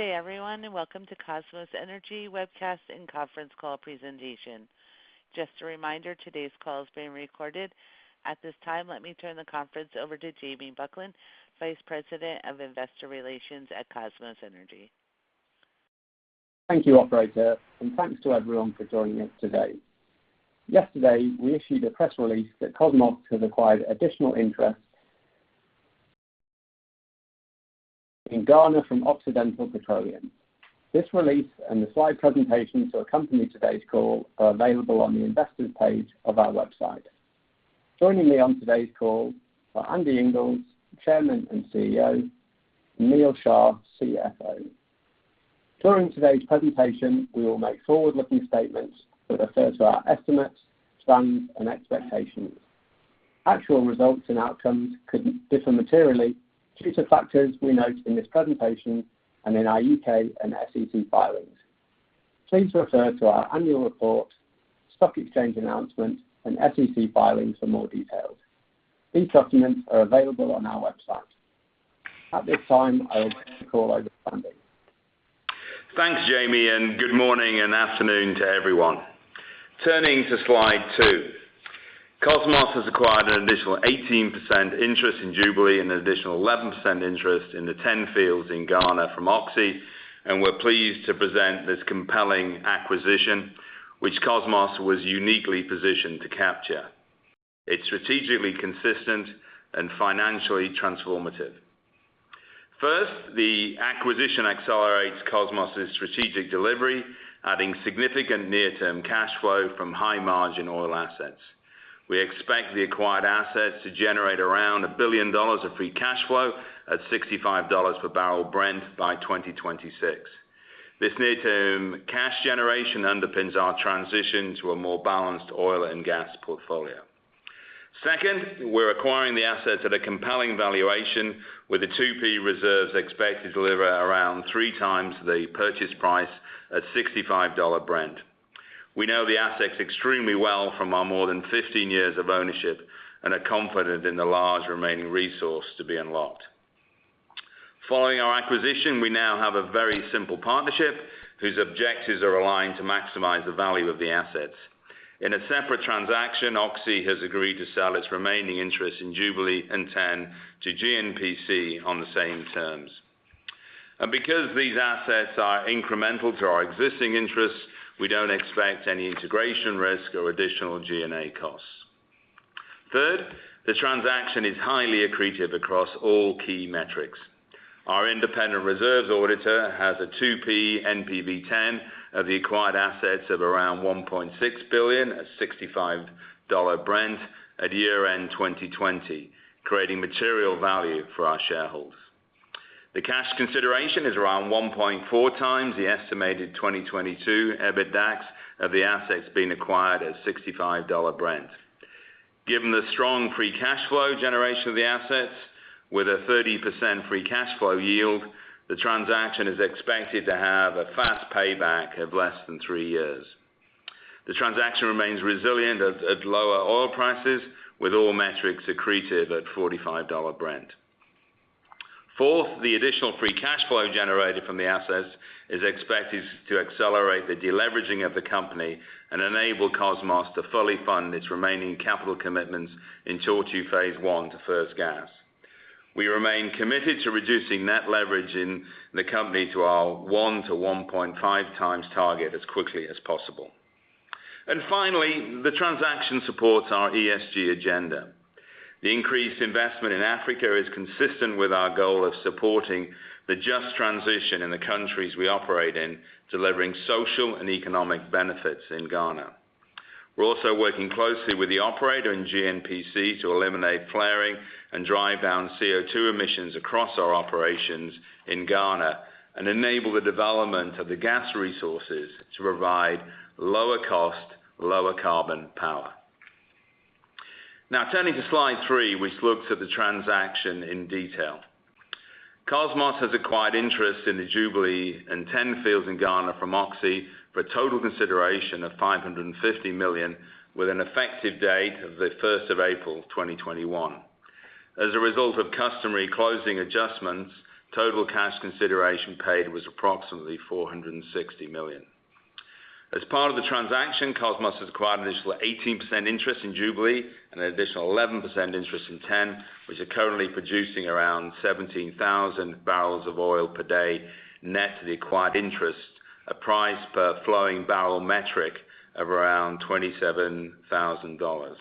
Good day everyone, and welcome to Kosmos Energy Webcast and Conference Call Presentation. Just a reminder, today's call is being recorded. At this time, let me turn the conference over to Jamie Buckland, Vice President of Investor Relations at Kosmos Energy. Thank you, operator, and thanks to everyone for joining us today. Yesterday, we issued a press release that Kosmos has acquired additional interest in Ghana from Occidental Petroleum. This release and the slide presentations that accompany today's call are available on the investor's page of our website. Joining me on today's call are Andy Inglis, Chairman and CEO, and Neal Shah, CFO. During today's presentation, we will make forward-looking statements that refer to our estimates, plans, and expectations. Actual results and outcomes could differ materially due to factors we note in this presentation and in our U.K. and SEC filings. Please refer to our annual report, stock exchange announcement, and SEC filings for more details. These documents are available on our website. At this time, I will turn the call over to Andy. Thanks, Jamie, good morning and afternoon to everyone. Turning to slide two. Kosmos has acquired an additional 18% interest in Jubilee and an additional 11% interest in the TEN fields in Ghana from Oxy. We're pleased to present this compelling acquisition, which Kosmos was uniquely positioned to capture. It's strategically consistent and financially transformative. First, the acquisition accelerates Kosmos' strategic delivery, adding significant near-term cash flow from high-margin oil assets. We expect the acquired assets to generate around $1 billion of free cash flow at $65 per bbl Brent by 2026. This near-term cash generation underpins our transition to a more balanced oil and gas portfolio. Second, we're acquiring the assets at a compelling valuation with the 2P reserves expected to deliver around 3x the purchase price at $65 Brent. We know the assets extremely well from our more than 15 years of ownership and are confident in the large remaining resource to be unlocked. Following our acquisition, we now have a very simple partnership whose objectives are aligned to maximize the value of the assets. In a separate transaction, Oxy has agreed to sell its remaining interest in Jubilee and TEN to GNPC on the same terms. Because these assets are incremental to our existing interests, we don't expect any integration risk or additional G&A costs. The transaction is highly accretive across all key metrics. Our independent reserves auditor has a 2P NPV10 of the acquired assets of around $1.6 billion at $65 Brent at year-end 2020, creating material value for our shareholders. The cash consideration is around 1.4x the estimated 2022 EBITDAX of the assets being acquired at $65 Brent. Given the strong free cash flow generation of the assets with a 30% free cash flow yield, the transaction is expected to have a fast payback of less than three years. The transaction remains resilient at lower oil prices with all metrics accretive at $45 Brent. Fourth, the additional free cash flow generated from the assets is expected to accelerate the de-leveraging of the company and enable Kosmos to fully fund its remaining capital commitments in Tortue Phase 1 to first gas. We remain committed to reducing net leverage in the company to our 1x-1.5x target as quickly as possible. Finally, the transaction supports our ESG agenda. The increased investment in Africa is consistent with our goal of supporting the Just Transition in the countries we operate in, delivering social and economic benefits in Ghana. We're also working closely with the operator and GNPC to eliminate flaring and drive down CO2 emissions across our operations in Ghana and enable the development of the gas resources to provide lower cost, lower carbon power. Turning to slide three, which looks at the transaction in detail. Kosmos has acquired interest in the Jubilee and TEN fields in Ghana from Oxy for a total consideration of $550 million with an effective date of the 1st of April 2021. As a result of customary closing adjustments, total cash consideration paid was approximately $460 million. As part of the transaction, Kosmos has acquired an additional 18% interest in Jubilee and an additional 11% interest in TEN, which are currently producing around 17,000 bpd net of the acquired interest, a price per flowing barrel metric of around $27,000.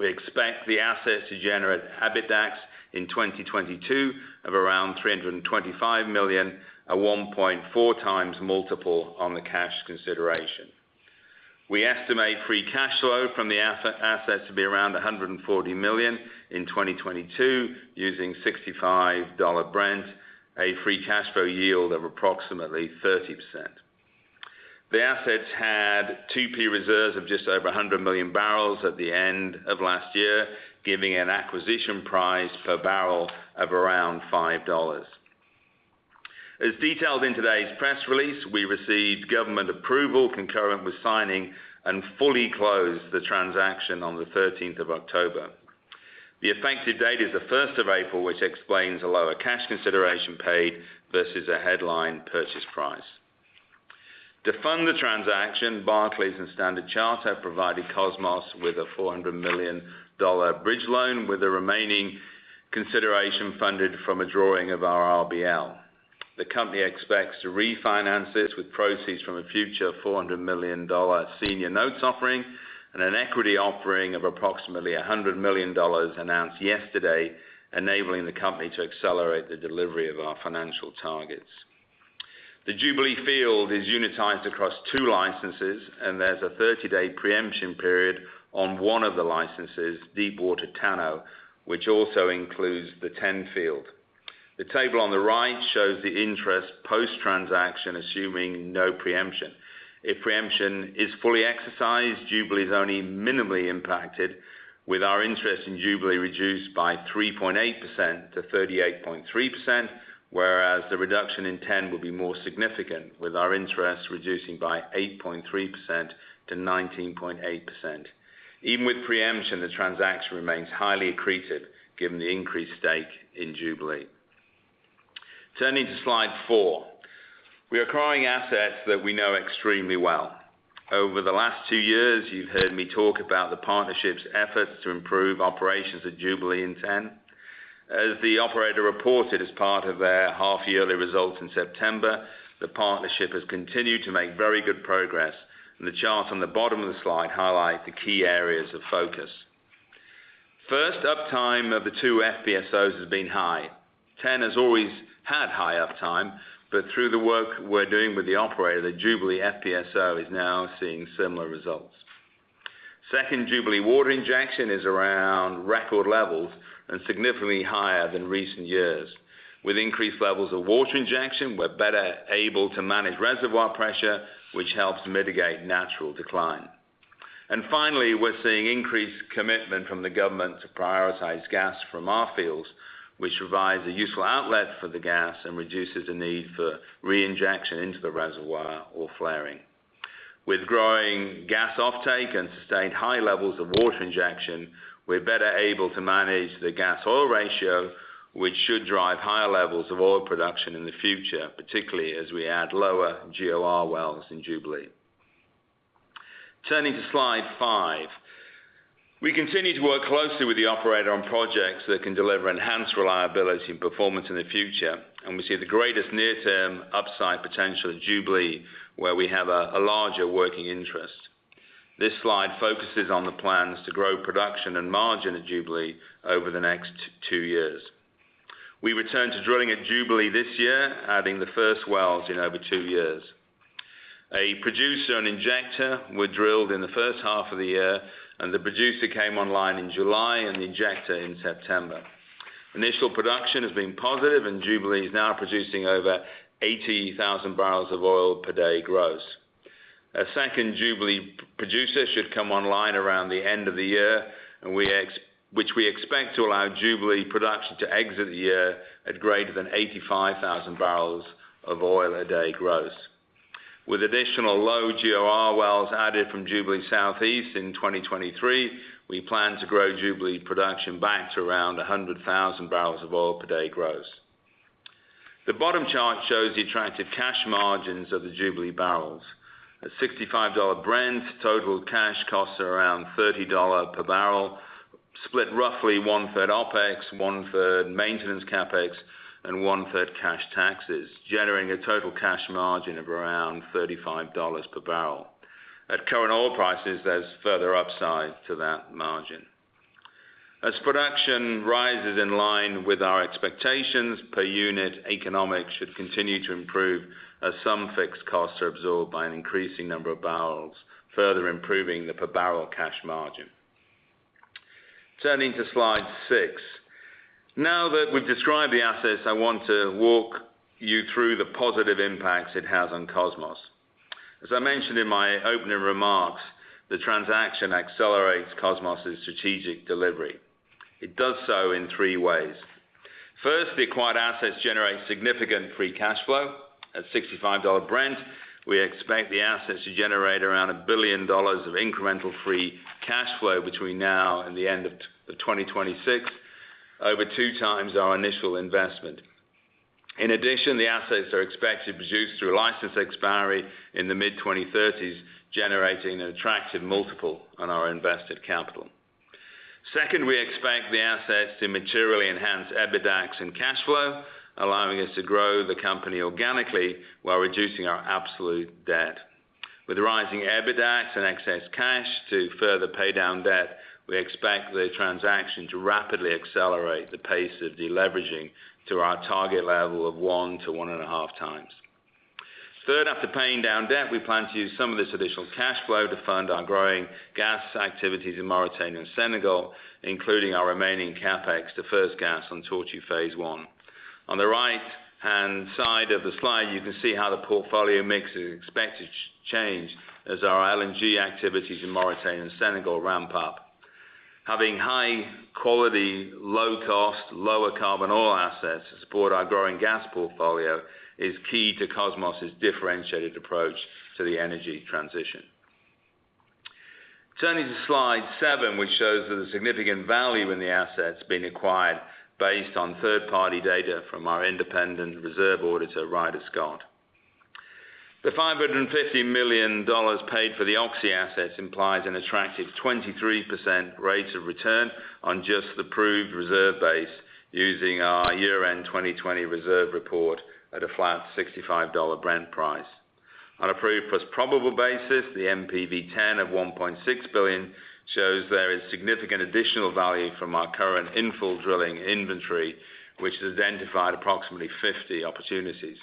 We expect the assets to generate EBITDAX in 2022 of around $325 million at 1.4x multiple on the cash consideration. We estimate free cash flow from the assets to be around $140 million in 2022 using $65 Brent, a free cash flow yield of approximately 30%. The assets had 2P reserves of just over 100 million bbl at the end of last year, giving an acquisition price per barrel of around $5. As detailed in today's press release, we received government approval concurrent with signing and fully closed the transaction on the 13th of October. The effective date is the 1st of April, which explains the lower cash consideration paid versus the headline purchase price. To fund the transaction, Barclays and Standard Chartered provided Kosmos with a $400 million bridge loan, with the remaining consideration funded from a drawing of our RBL. The company expects to refinance this with proceeds from a future $400 million senior notes offering and an equity offering of approximately $100 million announced yesterday, enabling the company to accelerate the delivery of our financial targets. The Jubilee field is unitized across two licenses, and there's a 30-day preemption period on one of the licenses, Deepwater Tano, which also includes the TEN field. The table on the right shows the interest post-transaction, assuming no preemption. If preemption is fully exercised, Jubilee is only minimally impacted, with our interest in Jubilee reduced by 3.8% to 38.3%, whereas the reduction in TEN will be more significant, with our interest reducing by 8.3% to 19.8%. Even with preemption, the transaction remains highly accretive given the increased stake in Jubilee. Turning to slide four. We are acquiring assets that we know extremely well. Over the last two years, you've heard me talk about the partnership's efforts to improve operations at Jubilee and TEN. As the operator reported as part of their half-yearly results in September, the partnership has continued to make very good progress, and the chart on the bottom of the slide highlights the key areas of focus. First, uptime of the two FPSOs has been high. TEN has always had high uptime, but through the work we're doing with the operator, the Jubilee FPSO is now seeing similar results. Second, Jubilee water injection is around record levels and significantly higher than recent years. With increased levels of water injection, we're better able to manage reservoir pressure, which helps mitigate natural decline. Finally, we're seeing increased commitment from the government to prioritize gas from our fields, which provides a useful outlet for the gas and reduces the need for reinjection into the reservoir or flaring. With growing gas offtake and sustained high levels of water injection, we're better able to manage the gas-oil ratio, which should drive higher levels of oil production in the future, particularly as we add lower GOR wells in Jubilee. Turning to slide five. We continue to work closely with the operator on projects that can deliver enhanced reliability and performance in the future, and we see the greatest near-term upside potential at Jubilee, where we have a larger working interest. This slide focuses on the plans to grow production and margin at Jubilee over the next two years. We returned to drilling at Jubilee this year, adding the first wells in over two years. A producer and injector were drilled in the first half of the year, and the producer came online in July and the injector in September. Initial production has been positive, and Jubilee is now producing over 80,000 bpd gross. A second Jubilee producer should come online around the end of the year, which we expect to allow Jubilee production to exit the year at greater than 85,000 bpd gross. With additional low GOR wells added from Jubilee Southeast in 2023, we plan to grow Jubilee production back to around 100,000 bpd gross. The bottom chart shows the attractive cash margins of the Jubilee barrels. At $65 Brent, total cash costs are around $30 per bbl, split roughly 1/3 OpEx, 1/3 maintenance CapEx, and 1/3 cash taxes, generating a total cash margin of around $35 per bbl. At current oil prices, there's further upside to that margin. As production rises in line with our expectations, per unit economics should continue to improve as some fixed costs are absorbed by an increasing number of barrels, further improving the per barrel cash margin. Turning to slide six. Now that we've described the assets, I want to walk you through the positive impacts it has on Kosmos. As I mentioned in my opening remarks, the transaction accelerates Kosmos' strategic delivery. It does so in three ways. First, the acquired assets generate significant free cash flow. At $65 Brent, we expect the assets to generate around $1 billion of incremental free cash flow between now and the end of 2026, over 2x our initial investment. In addition, the assets are expected to produce through license expiry in the mid-2030s, generating an attractive multiple on our invested capital. Second, we expect the assets to materially enhance EBITDAX and cash flow, allowing us to grow the company organically while reducing our absolute debt. With rising EBITDAX and excess cash to further pay down debt, we expect the transaction to rapidly accelerate the pace of deleveraging to our target level of 1x-1.5x. Third, after paying down debt, we plan to use some of this additional cash flow to fund our growing gas activities in Mauritania and Senegal, including our remaining CapEx to first gas on Tortue Phase 1. On the right-hand side of the slide, you can see how the portfolio mix is expected to change as our LNG activities in Mauritania and Senegal ramp up. Having high-quality, low-cost, lower-carbon oil assets to support our growing gas portfolio is key to Kosmos' differentiated approach to the energy transition. Turning to slide seven, which shows that the significant value in the assets being acquired based on third-party data from our independent reserve auditor, Ryder Scott. The $550 million paid for the Oxy assets implies an attractive 23% rate of return on just the proved reserve base using our year-end 2020 reserve report at a flat $65 Brent price. On a proved plus probable basis, the NPV10 of $1.6 billion shows there is significant additional value from our current infill drilling inventory, which has identified approximately 50 opportunities.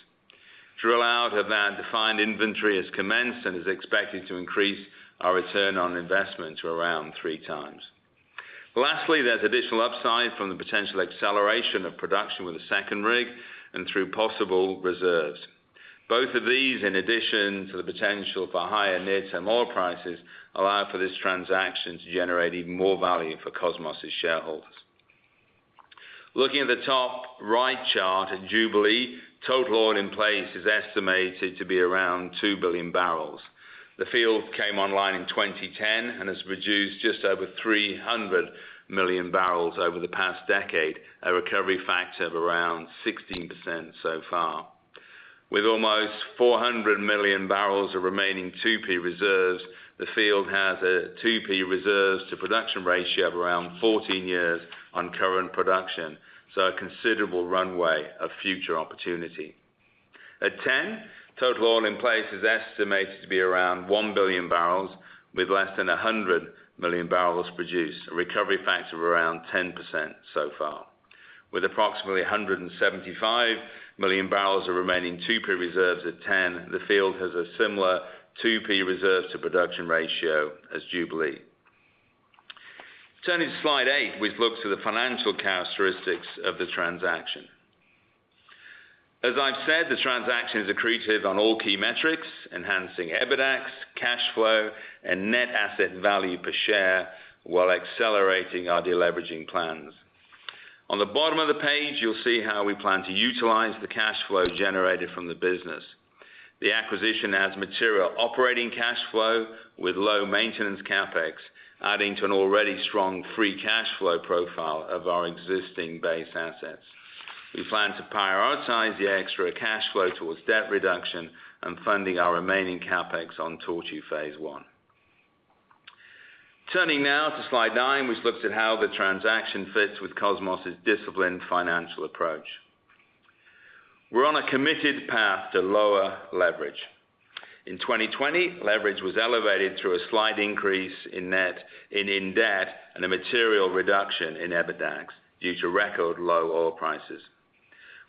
Drill out of that defined inventory has commenced and is expected to increase our return on investment to around 3x. Lastly, there's additional upside from the potential acceleration of production with a second rig and through possible reserves. Both of these, in addition to the potential for higher nets and oil prices, allow for this transaction to generate even more value for Kosmos' shareholders. Looking at the top right chart at Jubilee, total oil in place is estimated to be around 2 billion bbl. The field came online in 2010 and has produced just over 300 million bbl over the past decade, a recovery factor of around 16% so far. With almost 400 million bbl of remaining 2P reserves, the field has a 2P reserves to production ratio of around 14 years on current production, so a considerable runway of future opportunity. At TEN, total oil in place is estimated to be around 1 billion bbl, with less than 100 million bbl produced, a recovery factor of around 10% so far. With approximately 175 million bbl of remaining 2P reserves at TEN, the field has a similar 2P reserves to production ratio as Jubilee. Turning to slide eight, which looks at the financial characteristics of the transaction. As I've said, the transaction is accretive on all key metrics, enhancing EBITDAX, cash flow, and net asset value per share while accelerating our deleveraging plans. On the bottom of the page, you'll see how we plan to utilize the cash flow generated from the business. The acquisition adds material operating cash flow with low maintenance CapEx, adding to an already strong free cash flow profile of our existing base assets. We plan to prioritize the extra cash flow towards debt reduction and funding our remaining CapEx on Tortue Phase 1. Turning now to slide nine, which looks at how the transaction fits with Kosmos' disciplined financial approach. We're on a committed path to lower leverage. In 2020, leverage was elevated through a slight increase in debt and a material reduction in EBITDAX due to record low oil prices.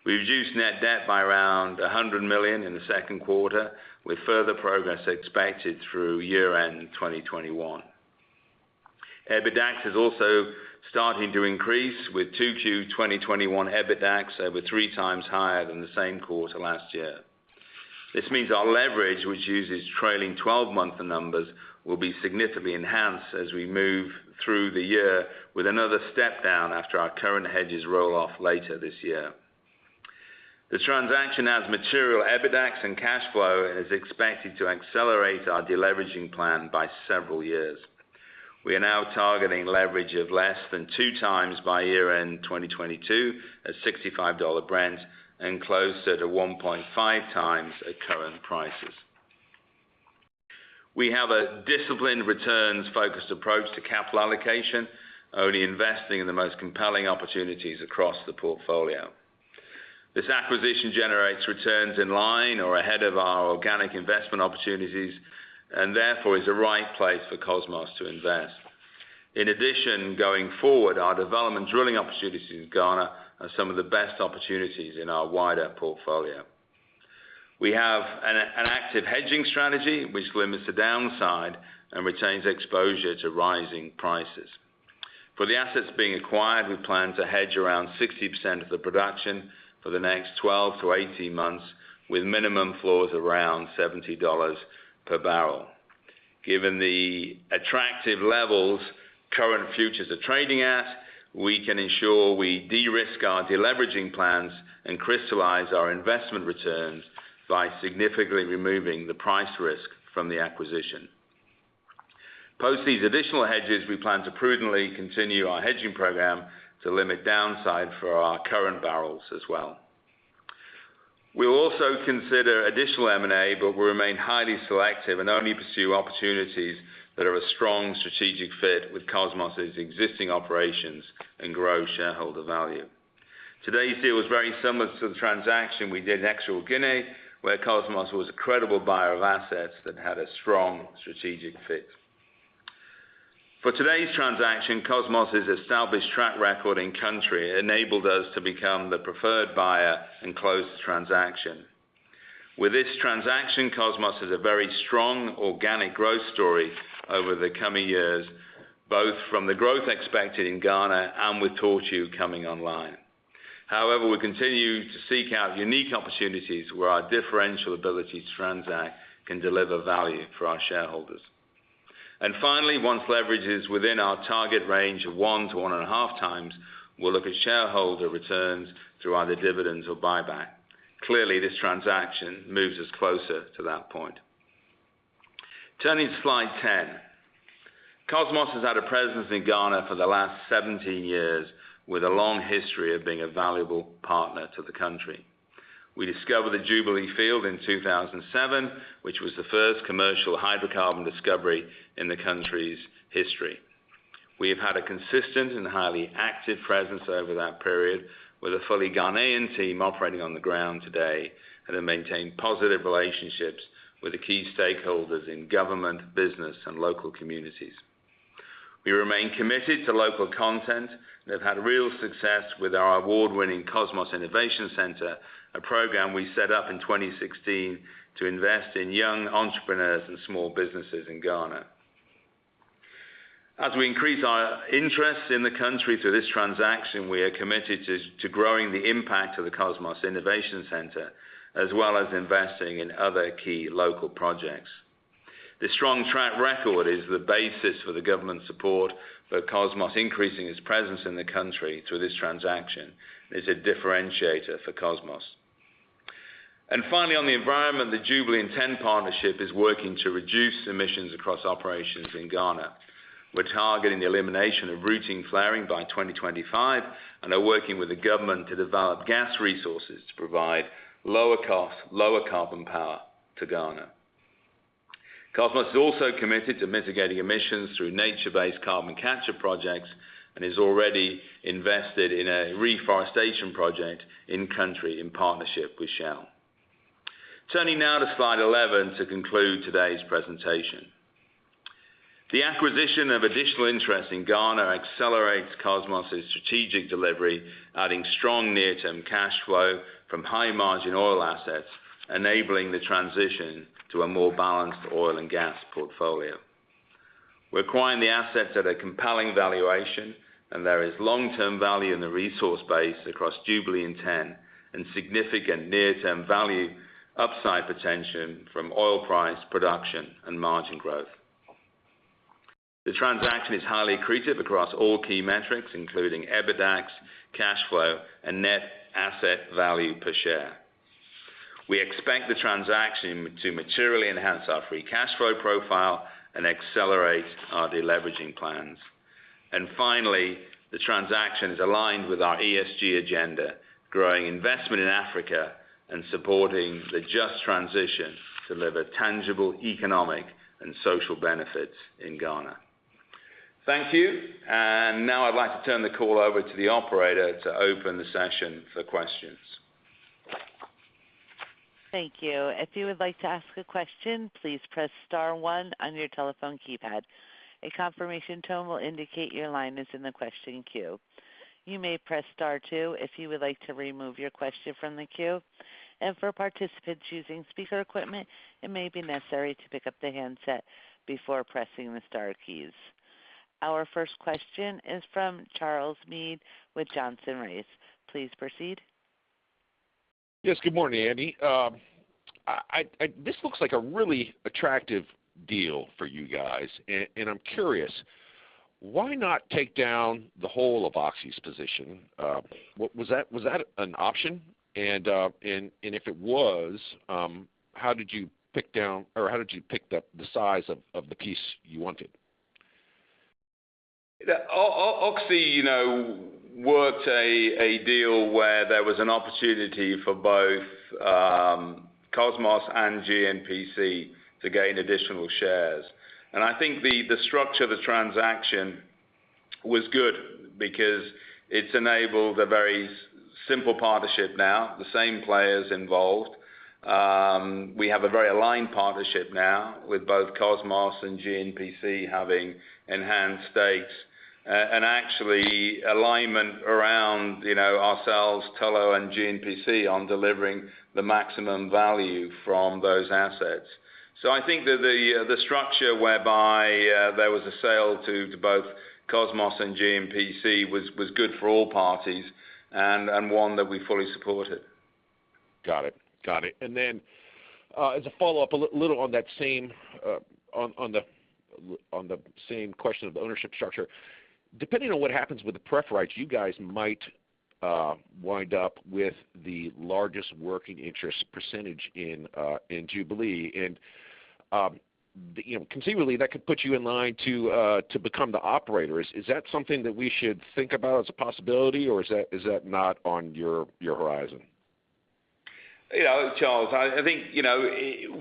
We reduced net debt by around $100 million in the second quarter, with further progress expected through year-end 2021. EBITDAX is also starting to increase, with 2Q 2021 EBITDAX over 3x higher than the same quarter last year. This means our leverage, which uses trailing 12-month numbers, will be significantly enhanced as we move through the year with another step down after our current hedges roll off later this year. The transaction adds material EBITDAX and cash flow and is expected to accelerate our deleveraging plan by several years. We are now targeting leverage of less than 2x by year-end 2022 at $65 Brent and closer to 1.5x at current prices. We have a disciplined returns-focused approach to capital allocation, only investing in the most compelling opportunities across the portfolio. This acquisition generates returns in line or ahead of our organic investment opportunities, therefore, is the right place for Kosmos to invest. Going forward, our development drilling opportunities in Ghana are some of the best opportunities in our wider portfolio. We have an active hedging strategy which limits the downside and retains exposure to rising prices. For the assets being acquired, we plan to hedge around 60% of the production for the next 12-18 months, with minimum floors around $70 per bbl. Given the attractive levels current futures are trading at, we can ensure we de-risk our deleveraging plans and crystallize our investment returns by significantly removing the price risk from the acquisition. Post these additional hedges, we plan to prudently continue our hedging program to limit downside for our current barrels as well. We will also consider additional M&A, but will remain highly selective and only pursue opportunities that are a strong strategic fit with Kosmos' existing operations and grow shareholder value. Today's deal was very similar to the transaction we did in Equatorial Guinea, where Kosmos was a credible buyer of assets that had a strong strategic fit. For today's transaction, Kosmos' established track record in country enabled us to become the preferred buyer and close the transaction. With this transaction, Kosmos has a very strong organic growth story over the coming years, both from the growth expected in Ghana and with Tortue coming online. We continue to seek out unique opportunities where our differential ability to transact can deliver value for our shareholders. Finally, once leverage is within our target range of 1x-1.5x, we'll look at shareholder returns through either dividends or buyback. Clearly, this transaction moves us closer to that point. Turning to slide 10. Kosmos has had a presence in Ghana for the last 17 years, with a long history of being a valuable partner to the country. We discovered the Jubilee field in 2007, which was the first commercial hydrocarbon discovery in the country's history. We have had a consistent and highly active presence over that period, with a fully Ghanaian team operating on the ground today, have maintained positive relationships with the key stakeholders in government, business, and local communities. We remain committed to local content and have had real success with our award-winning Kosmos Innovation Center, a program we set up in 2016 to invest in young entrepreneurs and small businesses in Ghana. As we increase our interest in the country through this transaction, we are committed to growing the impact of the Kosmos Innovation Center, as well as investing in other key local projects. This strong track record is the basis for the government support for Kosmos increasing its presence in the country through this transaction, and is a differentiator for Kosmos. Finally, on the environment, the Jubilee TEN partnership is working to reduce emissions across operations in Ghana. We're targeting the elimination of routine flaring by 2025, and are working with the government to develop gas resources to provide lower cost, lower carbon power to Ghana. Kosmos is also committed to mitigating emissions through nature-based carbon capture projects and is already invested in a reforestation project in country in partnership with Shell. Turning now to slide 11 to conclude today's presentation. The acquisition of additional interest in Ghana accelerates Kosmos' strategic delivery, adding strong near-term cash flow from high-margin oil assets, enabling the transition to a more balanced oil and gas portfolio. We're acquiring the assets at a compelling valuation, and there is long-term value in the resource base across Jubilee and TEN, and significant near-term value upside potential from oil price, production, and margin growth. The transaction is highly accretive across all key metrics, including EBITDAX, cash flow, and net asset value per share. We expect the transaction to materially enhance our free cash flow profile and accelerate our deleveraging plans. Finally, the transaction is aligned with our ESG agenda, growing investment in Africa and supporting the Just Transition to deliver tangible economic and social benefits in Ghana. Thank you. Now I'd like to turn the call over to the operator to open the session for questions. Thank you. If you would like to ask a question, please press star one on your telephone keypad. A confirmation tone will indicate your line is in the question queue. You may press star two if you would like to remove your question from the queue. For participants using speaker equipment, it may be necessary to pick up the handset before pressing the star keys. Our first question is from Charles Meade with Johnson Rice. Please proceed. Yes. Good morning, Andy. This looks like a really attractive deal for you guys. I'm curious, why not take down the whole of Oxy's position? Was that an option? If it was, how did you pick the size of the piece you wanted? Oxy worked a deal where there was an opportunity for both Kosmos and GNPC to gain additional shares. I think the structure of the transaction was good because it's enabled a very simple partnership now. The same players involved. We have a very aligned partnership now with both Kosmos and GNPC having enhanced stakes. Actually alignment around ourselves, Tullow, and GNPC on delivering the maximum value from those assets. I think that the structure whereby there was a sale to both Kosmos and GNPC was good for all parties, and one that we fully supported. Got it. As a follow-up, a little on that same question of ownership structure. Depending on what happens with the pref rights, you guys might wind up with the largest working interest percentage in Jubilee. Conceivably, that could put you in line to become the operator. Is that something that we should think about as a possibility, or is that not on your horizon? Charles, I think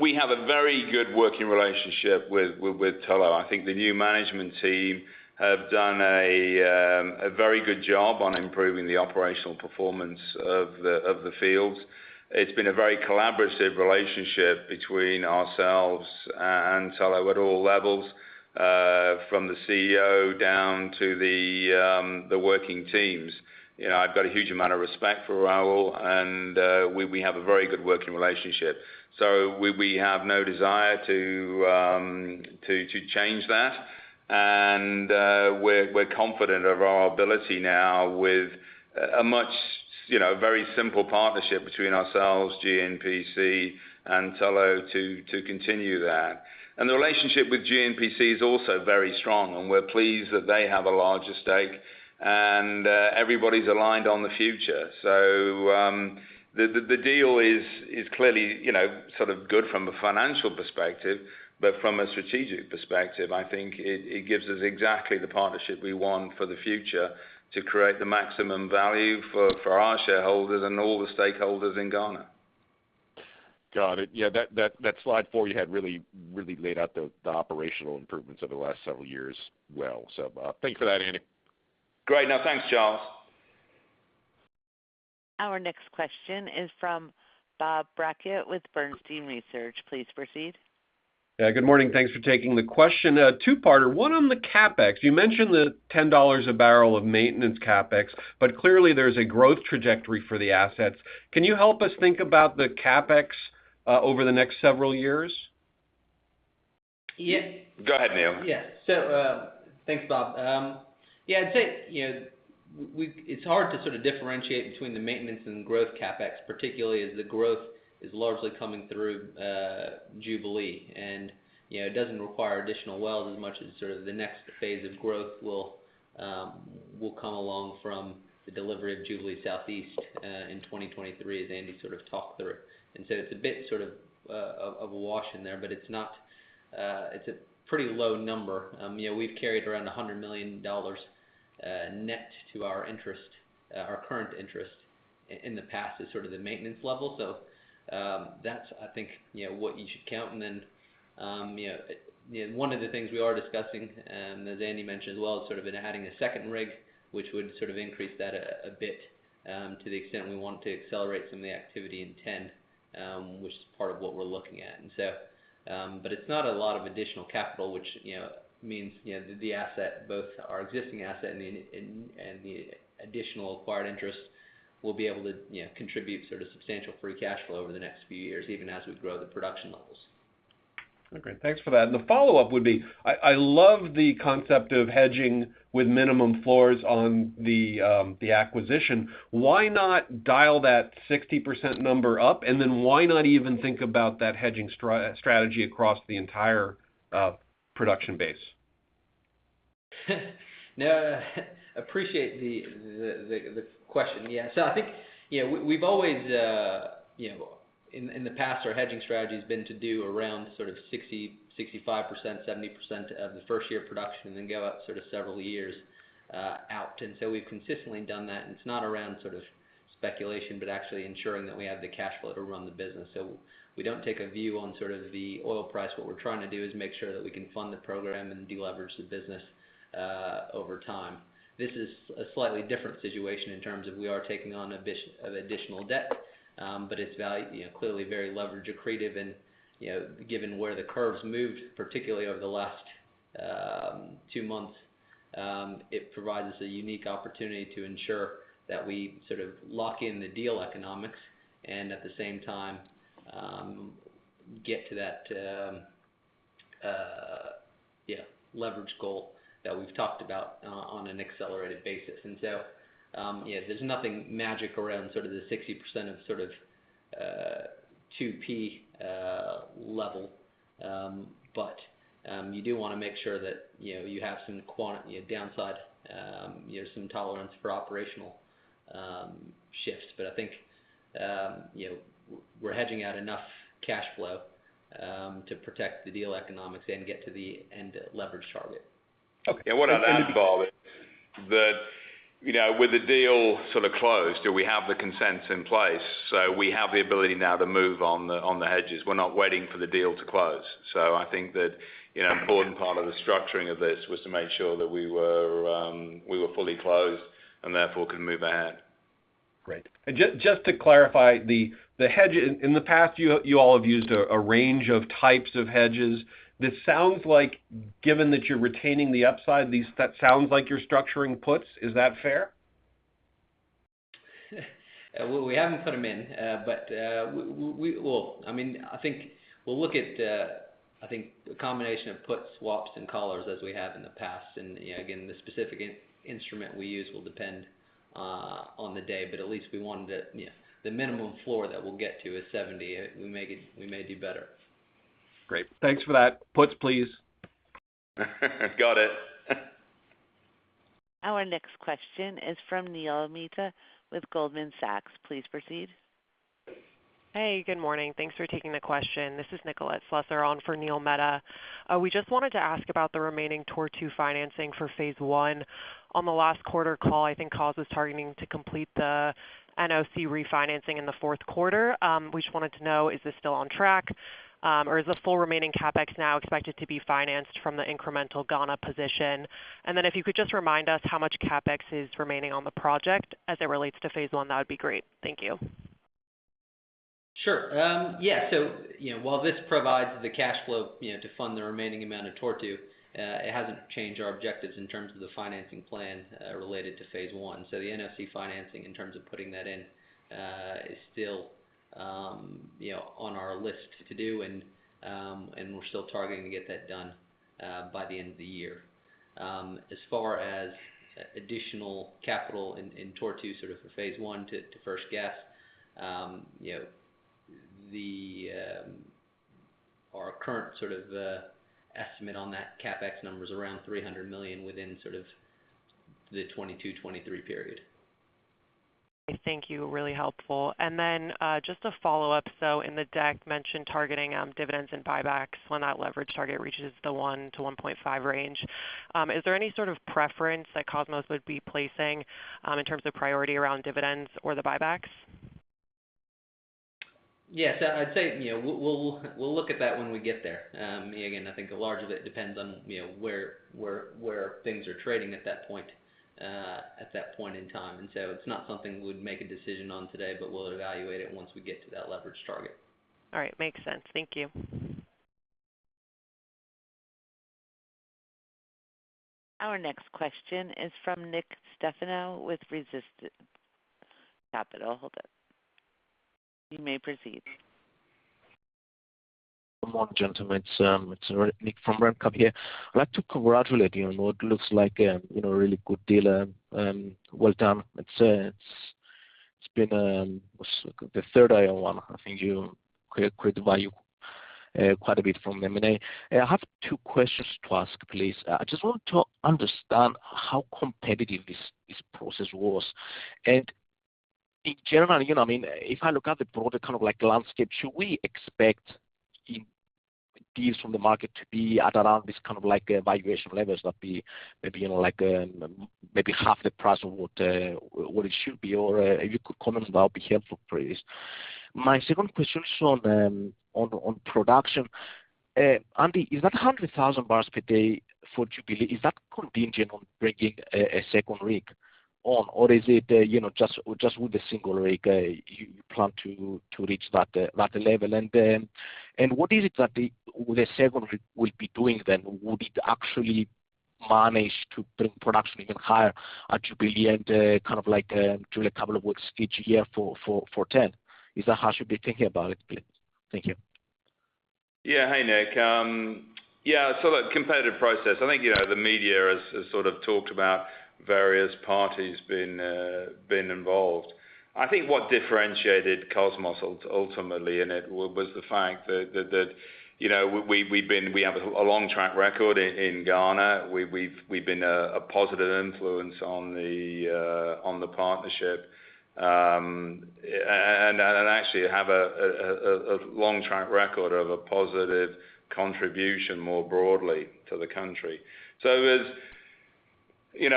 we have a very good working relationship with Tullow. I think the new management team have done a very good job on improving the operational performance of the fields. It's been a very collaborative relationship between ourselves and Tullow at all levels. From the CEO down to the working teams. I've got a huge amount of respect for Rahul, we have a very good working relationship, so we have no desire to change that. We're confident of our ability now with a very simple partnership between ourselves, GNPC and Tullow to continue that. The relationship with GNPC is also very strong, and we're pleased that they have a larger stake, and everybody's aligned on the future. The deal is clearly good from a financial perspective, but from a strategic perspective, I think it gives us exactly the partnership we want for the future to create the maximum value for our shareholders and all the stakeholders in Ghana. Got it. Yeah, that slide four you had really laid out the operational improvements over the last several years well. Thanks for that, Andy. Great. No, thanks, Charles. Our next question is from Bob Brackett with Bernstein Research. Please proceed. Good morning. Thanks for taking the question. A two-parter. One on the CapEx. You mentioned the $10 a bbl of maintenance CapEx, but clearly there's a growth trajectory for the assets. Can you help us think about the CapEx over the next several years? Yeah. Go ahead, Neal. Yeah, thanks, Bob. I'd say, it's hard to differentiate between the maintenance and growth CapEx, particularly as the growth is largely coming through Jubilee. It doesn't require additional wells as much as the next phase of growth will come along from the delivery of Jubilee Southeast in 2023, as Andy sort of talked through. It's a bit of a wash in there, but it's a pretty low number. We've carried around $100 million net to our current interest in the past as sort of the maintenance level. That's, I think, what you should count. One of the things we are discussing, as Andy mentioned as well, is adding a second rig, which would increase that a bit, to the extent we want to accelerate some of the activity in TEN, which is part of what we're looking at. It's not a lot of additional capital, which means both our existing asset and the additional acquired interest will be able to contribute substantial free cash flow over the next few years, even as we grow the production levels. Okay, thanks for that. The follow-up would be, I love the concept of hedging with minimum floors on the acquisition. Why not dial that 60% number up, and then why not even think about that hedging strategy across the entire production base? No, appreciate the question. Yeah. I think, in the past, our hedging strategy has been to do around sort of 60%, 65%, 70% of the first-year production and then go out several years out. We've consistently done that, and it's not around speculation, but actually ensuring that we have the cash flow to run the business. We don't take a view on the oil price. What we're trying to do is make sure that we can fund the program and de-leverage the business over time. This is a slightly different situation in terms of we are taking on additional debt. It's clearly very leverage accretive and, given where the curve's moved, particularly over the last two months, it provides a unique opportunity to ensure that we lock in the deal economics and at the same time, get to that leverage goal that we've talked about on an accelerated basis. There's nothing magic around the 60% of 2P level. You do want to make sure that you have some downside, some tolerance for operational shifts. I think we're hedging out enough cash flow to protect the deal economics and get to the end leverage target. Okay. Yeah. What I'd add, Bob, is that with the deal closed, do we have the consents in place? We have the ability now to move on the hedges. We're not waiting for the deal to close. I think that an important part of the structuring of this was to make sure that we were fully closed, and therefore could move ahead. Great. Just to clarify the hedge. In the past, you all have used a range of types of hedges. This sounds like, given that you're retaining the upside, that sounds like you're structuring puts. Is that fair? Well, we haven't put them in. We'll look at the combination of puts, swaps, and collars as we have in the past. Again, the specific instrument we use will depend on the day, but at least we want the minimum floor that we'll get to is $70. We may do better. Great. Thanks for that. Puts, please. Got it. Our next question is from Neil Mehta with Goldman Sachs. Please proceed. Hey, good morning. Thanks for taking the question. This is Nicolette Slusser on for Neil Mehta. We just wanted to ask about the remaining Tortue financing for Phase 1. On the last quarter call, I think Kosmos was targeting to complete the NOC refinancing in the fourth quarter. We just wanted to know, is this still on track? Is the full remaining CapEx now expected to be financed from the incremental Ghana position? If you could just remind us how much CapEx is remaining on the project as it relates to Phase 1, that would be great. Thank you. Sure. Yeah. While this provides the cash flow to fund the remaining amount of Tortue, it hasn't changed our objectives in terms of the financing plan related to Phase 1. The NOC financing in terms of putting that in is still on our list to do, and we're still targeting to get that done by the end of the year. As far as additional capital in Tortue for Phase 1 to first gas, our current estimate on that CapEx number is around $300 million within the 2022, 2023 period. Thank you. Really helpful. Then just a follow-up. In the deck, mentioned targeting dividends and buybacks when that leverage target reaches the 1x-1.5x range. Is there any sort of preference that Kosmos would be placing in terms of priority around dividends or the buybacks? Yes. I'd say, we'll look at that when we get there. I think a large of it depends on where things are trading at that point in time. It's not something we'd make a decision on today, but we'll evaluate it once we get to that leverage target. All right. Makes sense. Thank you. Our next question is from Nick Stefanou with Renaissance Capital. Hold up. You may proceed. Good morning, gentlemen. It's Nick from RenCap here. I'd like to congratulate you on what looks like a really good deal. Well done. It's been the third [IO 1]. I think you create value quite a bit from M&A. I have two questions to ask, please. I just want to understand how competitive this process was. In general, if I look at the broader kind of landscape, should we expect deals from the market to be at around this kind of valuation levels that be maybe half the price of what it should be? If you could comment that would be helpful, please. My second question is on production. Andy, is that 100,000 bpd for Jubilee, is that contingent on bringing a second rig on, or is it just with the single rig you plan to reach that level? What is it that the second rig will be doing then? Would it actually manage to bring production even higher at Jubilee and kind of like drill a couple of wells each year for TEN? Is that how I should be thinking about it, please? Thank you. Hey, Nick. The competitive process, I think the media has sort of talked about various parties being involved. I think what differentiated Kosmos ultimately in it was the fact that we have a long track record in Ghana. We've been a positive influence on the partnership. Actually have a long track record of a positive contribution more broadly to the country. As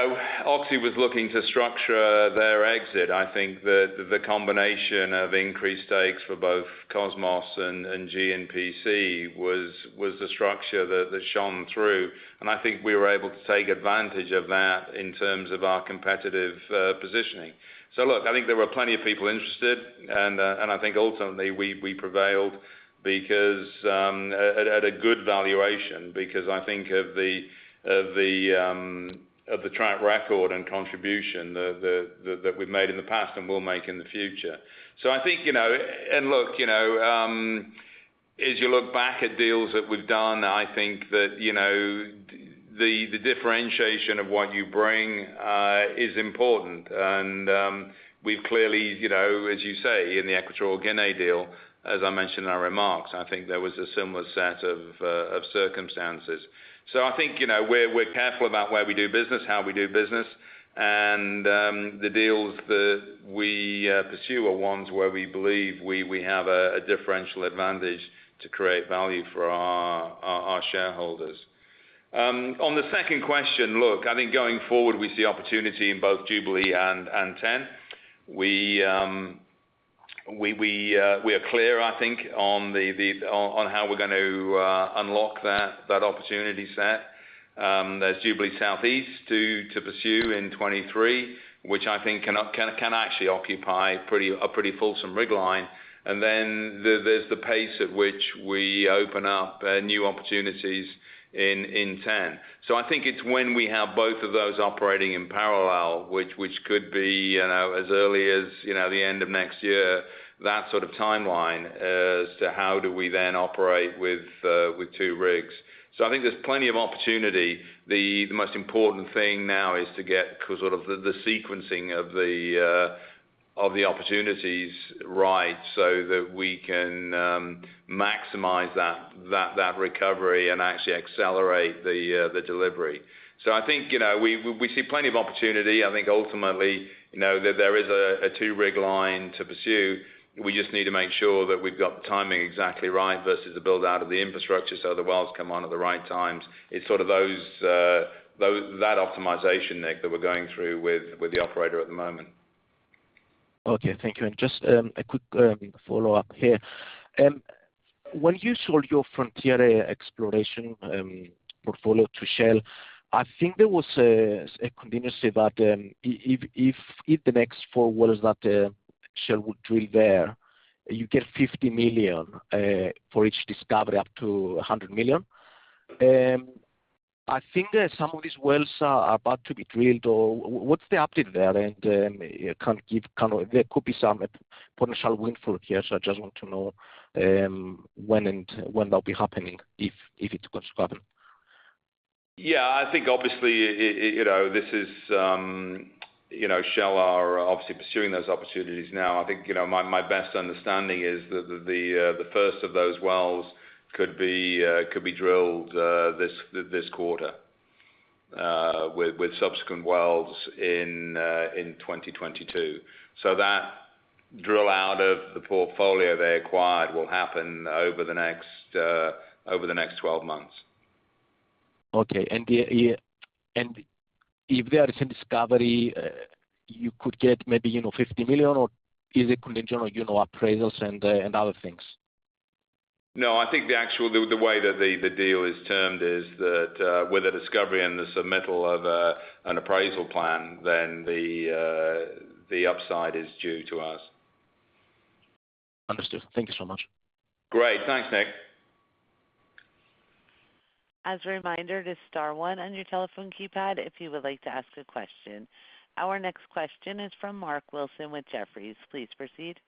Oxy was looking to structure their exit, I think that the combination of increased stakes for both Kosmos and GNPC was the structure that shone through. I think we were able to take advantage of that in terms of our competitive positioning. Look, I think there were plenty of people interested, and I think ultimately we prevailed because at a good valuation, because I think of the track record and contribution that we've made in the past and will make in the future. I think, as you look back at deals that we've done, I think that the differentiation of what you bring is important. We've clearly, as you say, in the Equatorial Guinea deal, as I mentioned in our remarks, I think there was a similar set of circumstances. I think we're careful about where we do business, how we do business, and the deals that we pursue are ones where we believe we have a differential advantage to create value for our shareholders. On the second question, look, I think going forward, we see opportunity in both Jubilee and TEN. We are clear, I think, on how we're going to unlock that opportunity set. There's Jubilee Southeast to pursue in 2023, which I think can actually occupy a pretty fulsome rig line. There's the pace at which we open up new opportunities in TEN. I think it's when we have both of those operating in parallel, which could be as early as the end of next year, that sort of timeline as to how do we then operate with two rigs. I think there's plenty of opportunity. The most important thing now is to get sort of the sequencing of the opportunities right so that we can maximize that recovery and actually accelerate the delivery. I think we see plenty of opportunity. I think ultimately, there is a two-rig line to pursue. We just need to make sure that we've got the timing exactly right versus the build-out of the infrastructure so the wells come on at the right times. It's sort of that optimization, Nick, that we're going through with the operator at the moment. Okay. Thank you. Just a quick follow-up here. When you sold your frontier exploration portfolio to Shell, I think there was a contingency that if the next four wells that Shell would drill there, you get $50 million for each discovery, up to $100 million. I think that some of these wells are about to be drilled, or what's the update there? There could be some potential windfall here, so I just want to know when that'll be happening, if it's going to happen. Yeah, I think obviously Shell are obviously pursuing those opportunities now. I think my best understanding is that the first of those wells could be drilled this quarter with subsequent wells in 2022. That drill out of the portfolio they acquired will happen over the next 12 months. Okay. If there is a discovery, you could get maybe $50 million, or is it conditional appraisals and other things? No, I think the way that the deal is termed is that with a discovery and the submittal of an appraisal plan, then the upside is due to us. Understood. Thank you so much. Great. Thanks, Nick. As a reminder to star one on your telephone keypad if you would like to ask a question. Our next question is from Mark Wilson with Jefferies. Please proceed.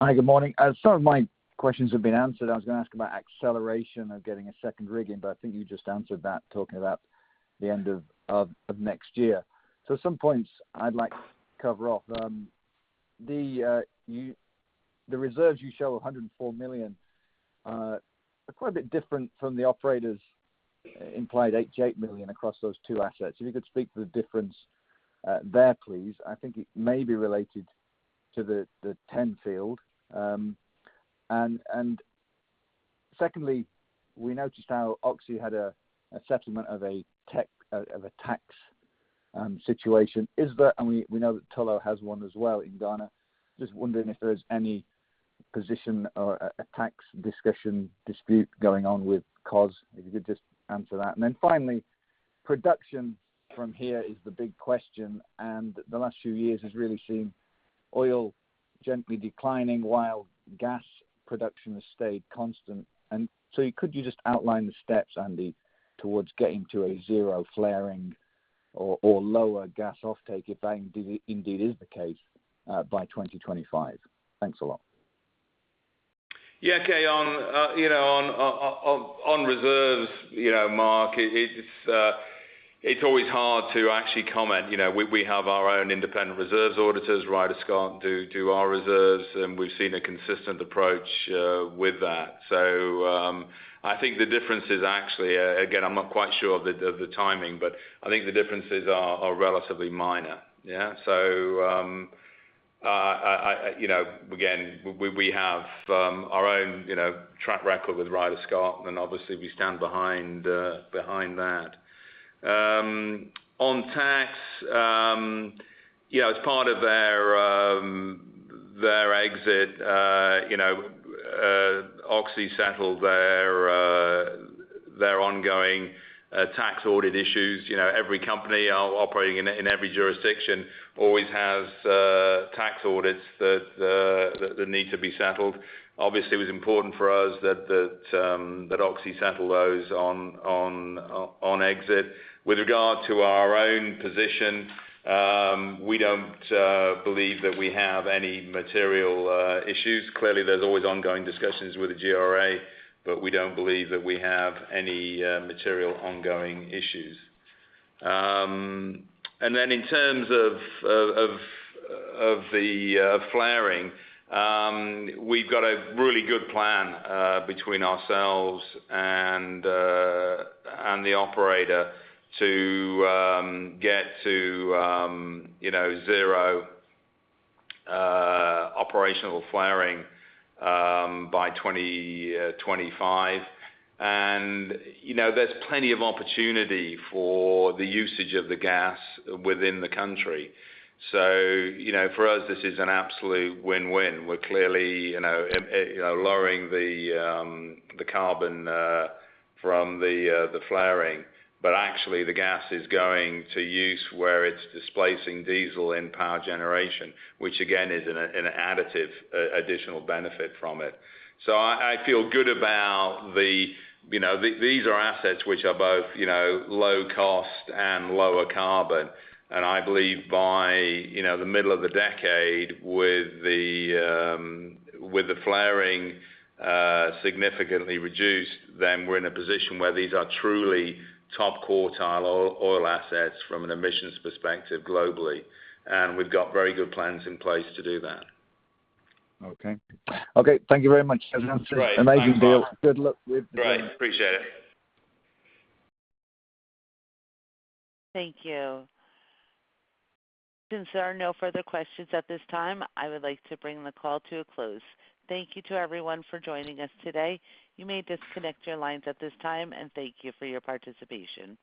Hi. Good morning. Some of my questions have been answered. I was going to ask about acceleration of getting a second rig in, but I think you just answered that talking about the end of next year. Some points I'd like to cover off. The reserves you show, $104 million, are quite a bit different from the operators implied $88 million across those two assets. If you could speak to the difference there, please. I think it may be related to the TEN field. Secondly, we noticed how Oxy had a settlement of a tax situation. We know that Tullow has one as well in Ghana. Just wondering if there is any position or a tax discussion dispute going on with Kosmos if you could just answer that. Finally, production from here is the big question, and the last few years has really seen oil gently declining while gas production has stayed constant. Could you just outline the steps, Andy, towards getting to a zero flaring or lower gas offtake, if that indeed is the case, by 2025? Thanks a lot. Yeah. Okay. On reserves, Mark, it's always hard to actually comment. We have our own independent reserves auditors, Ryder Scott, do our reserves, and we've seen a consistent approach with that. I think the difference is actually, again, I'm not quite sure of the timing, but I think the differences are relatively minor. Again, we have our own track record with Ryder Scott, and obviously we stand behind that. On tax, as part of their exit, Oxy settled their ongoing tax audit issues. Every company operating in every jurisdiction always has tax audits that need to be settled. Obviously, it was important for us that Oxy settle those on exit. With regard to our own position, we don't believe that we have any material issues. Clearly, there's always ongoing discussions with the GRA, but we don't believe that we have any material ongoing issues. In terms of flaring, we've got a really good plan between ourselves and the operator to get to zero operational flaring by 2025. There's plenty of opportunity for the usage of the gas within the country. For us, this is an absolute win-win. We're clearly lowering the carbon from the flaring, but actually the gas is going to use where it's displacing diesel in power generation, which again, is an additive additional benefit from it. I feel good about these are assets which are both low cost and lower carbon. I believe by the middle of the decade with the flaring significantly reduced, then we're in a position where these are truly top quartile oil assets from an emissions perspective globally. We've got very good plans in place to do that. Okay. Thank you very much. Great. Thanks, Mark. Amazing deal. Good luck. Great. Appreciate it. Thank you. Since there are no further questions at this time, I would like to bring the call to a close. Thank you to everyone for joining us today. You may disconnect your lines at this time, and thank you for your participation.